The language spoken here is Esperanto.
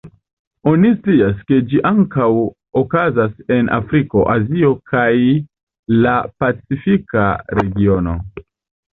Oni scias, ke ĝi ankaŭ okazas en Afriko, Azio, kaj la Pacifika Regiono.